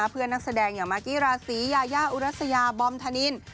เพื่อนนักแสดงอย่างมากี้ราศียายาอุรัสยาบอมธนิน